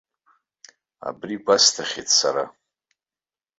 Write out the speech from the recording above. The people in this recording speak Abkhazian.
Абри гәасҭахьеит сара.